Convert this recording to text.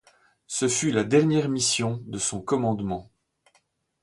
Ce fut la dernière mission de son commandement.